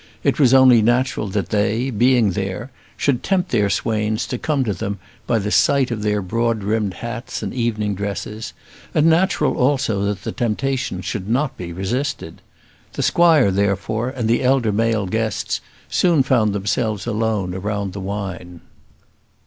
It was only natural that they, being there, should tempt their swains to come to them by the sight of their broad brimmed hats and evening dresses; and natural, also, that the temptation should not be resisted. The squire, therefore, and the elder male guests soon found themselves alone round their wine.